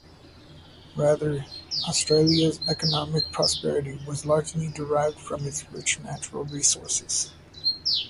Rather, Australia's economic prosperity was largely derived from its rich natural resources.